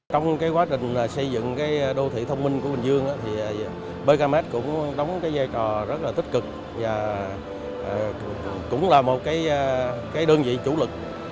trong quá trình xây dựng đô thị thông minh của bình dương bkmac cũng đóng giai trò rất tích cực và cũng là một đơn vị chủ lực